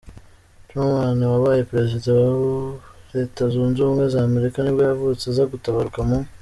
Truman, wabaye perezida wa wa Letazunze ubumwe za Amerika nibwo yavutse, aza gutabaruka mu .